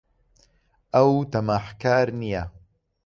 ئەو تەماحکار نییە.